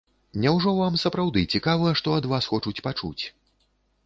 Няўжо вам сапраўды цікава, што ад вас хочуць пачуць?